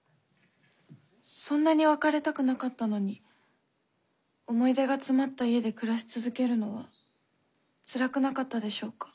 そんなに別れたくなかったのに思い出が詰まった家で暮らし続けるのはつらくなかったでしょうか？